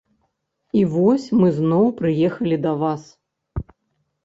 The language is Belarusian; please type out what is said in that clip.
У вось мы зноў прыехалі да вас.